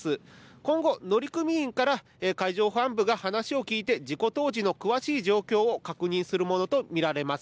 今後、乗組員から海上保安部が話を聞いて事故当時の詳しい状況を確認するものと見られます。